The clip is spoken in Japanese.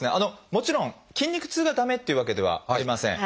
もちろん筋肉痛が駄目っていうわけではありません。